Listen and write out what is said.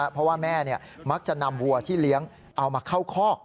เพราะว่าแม่มักจะนำวัวที่เลี้ยงเอามาเข้าคอก